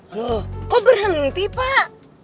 loh kok berhenti pak